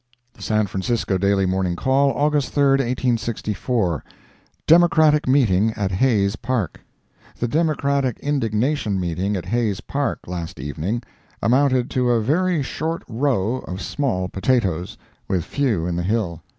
The San Francisco Daily Morning Call, August 3, 1864 DEMOCRATIC MEETING AT HAYES' PARK The Democratic Indignation Meeting at Hayes' Park, last evening, amounted to a very short row of small potatoes, with few in the hill.